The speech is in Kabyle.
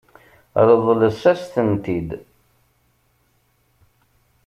Ṛeḍlet-as-tent-id.